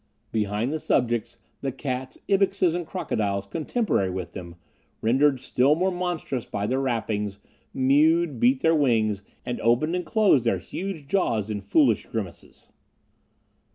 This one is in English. Behind the subjects, the cats, ibixes, and crocodiles contemporary with them, rendered still more monstrous by their wrappings, mewed, beat their wings, and opened and closed their huge jaws in foolish grimaces.